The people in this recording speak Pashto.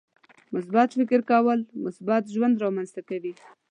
• مثبت فکر کول، مثبت ژوند رامنځته کوي.